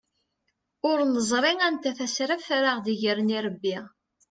Ur neẓri anta tasraft ara aɣ-d-igren irebbi.